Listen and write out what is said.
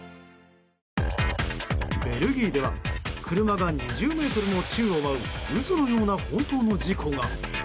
ベルギーでは車が２０ｍも宙を舞う嘘のような本当の事故が。